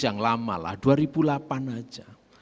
yang lama lah dua ribu delapan aja